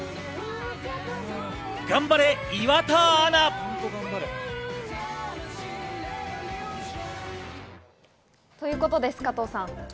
頑張れ岩田アナ。ということです。